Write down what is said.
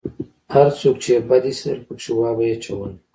هر څوک چې يې بد اېسېدل پکښې وابه يې چول.